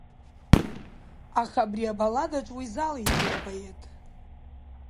Аха абри абалладаҿы уи залеиҵеи апоет?